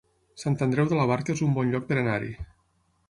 Sant Andreu de la Barca es un bon lloc per anar-hi